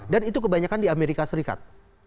dan itu kebanyakan di amerika serikat